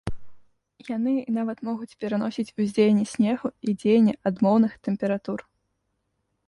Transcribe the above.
Яны нават могуць пераносіць ўздзеянне снегу і дзеянне адмоўных тэмператур.